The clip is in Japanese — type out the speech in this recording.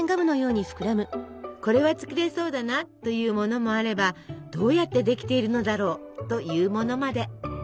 「これは作れそうだな」というものもあれば「どうやってできているのだろう？」というものまで！